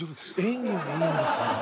演技はいいんですよ